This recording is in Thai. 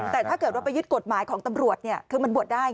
แต่ถ้าเกิดว่าไปยึดกฎหมายของตำรวจคือมันบวชได้